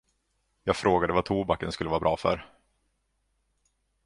Jag frågade vad tobaken skulle vara bra för.